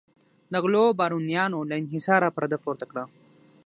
د غلو بارونیانو له انحصاره پرده پورته کړه.